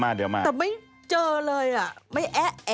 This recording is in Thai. จากแอปหนึ่งไปค่ะ